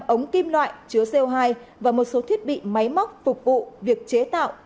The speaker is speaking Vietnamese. ba trăm sáu mươi năm ống kim loại chứa co hai và một số thiết bị máy móc phục vụ việc chế tạo